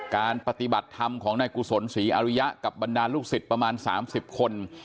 การปฏิบัติธรรมของนายกุศลศรีอริยะกับบรรดาลูกศิษย์ประมาณ๓๐คน